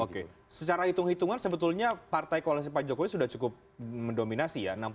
oke secara hitung hitungan sebetulnya partai koalisi pak jokowi sudah cukup mendominasi ya